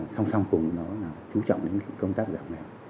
song song cùng chú trọng đến công tác giảm nghèo